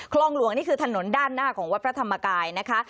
คลองหลวงนี่คือถนนด้านหน้าของวัดพระธรรมกายนะคะ